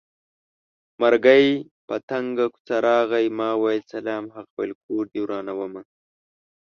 مرګی په تنګه کوڅه راغی ما وېل سلام هغه وېل کور دې ورانومه